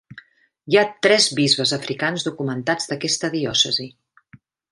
Hi ha tres bisbes africans documentats d'aquesta diòcesi.